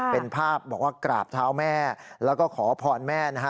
เป็นภาพบอกว่ากราบเท้าแม่แล้วก็ขอพรแม่นะฮะ